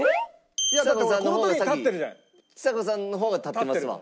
ちさ子さんの方が立ってますわ。